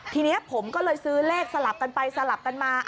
ทีนี้ผมก็เลยซื้อเลขสลับกันไปสลับกันมา